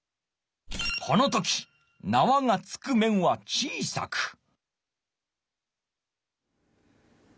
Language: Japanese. この時なわが着く面は小さく。